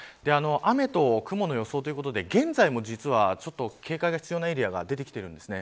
雨と雲の予想ということで現在も実は、警戒が必要なエリアが出てきています。